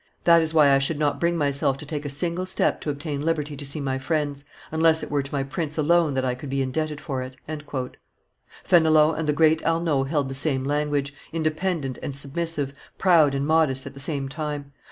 That is why I should not bring myself to take a single step to obtain liberty to see my friends, unless it were to my prince alone that I could be indebted for it." Fenelon and the great Arnauld held the same language, independent and submissive, proud and modest, at the same time.